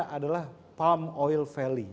disini adalah palm oil valley